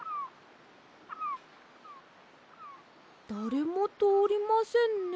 だれもとおりませんね。